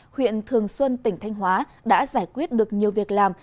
huyện thường xuân tỉnh thanh hóa đã giải quyết được nhiều việc làm